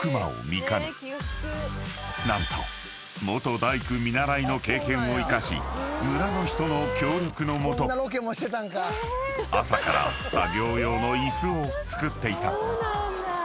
［何と元大工見習いの経験を生かし村の人の協力の下朝から作業用の椅子を作っていた］